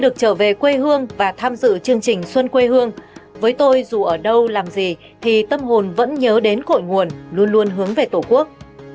các hội nguồn luôn luôn hướng về tổ quốc